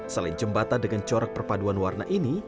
selain jembatan dengan corak perpaduan warna ini